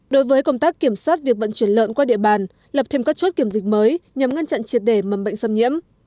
đối với công tác kiểm soát việc vận chuyển lợn qua địa bàn lập thêm các chốt kiểm dịch mới nhằm ngăn chặn triệt để mầm bệnh xâm nhiễm